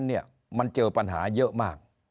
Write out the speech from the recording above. นายกรัฐมนตรีพูดเรื่องการปราบเด็กแว่น